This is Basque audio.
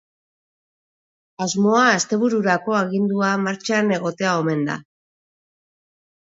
Asmoa astebururako agindua martxan egotea omen da.